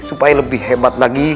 supaya lebih hebat lagi